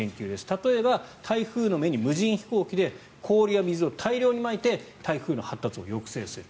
例えば台風の目に無人飛行機で氷や水を大量にまいて台風の発達を抑制する。